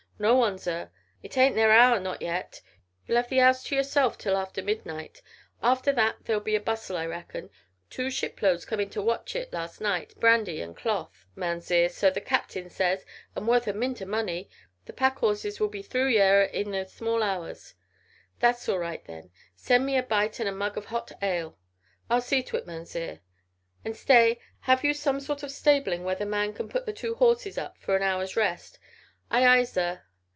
"No one, zir. It ain't their hour not yet. You'll 'ave the 'ouse to yourself till after midnight. After that there'll be a bustle, I reckon. Two shiploads come into Watchet last night brandy and cloth, Mounzeer, so the Captain says, and worth a mint o' money. The pack 'orzes will be through yere in the small hours." "That's all right, then. Send me in a bite and a mug of hot ale." "I'll see to it, Mounzeer." "And stay have you some sort of stabling where the man can put the two horses up for an hour's rest?" "Aye, aye, zir."